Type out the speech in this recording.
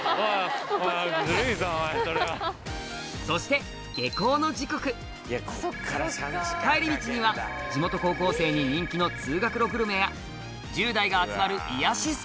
そして下校の時刻帰り道には地元高校生に人気の通学路グルメや１０代が集まる癒やし